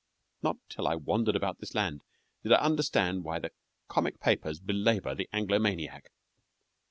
Not till I wandered about this land did I understand why the comic papers belabor the Anglomaniac.